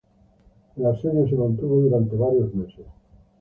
El asedio se mantuvo durante varios meses.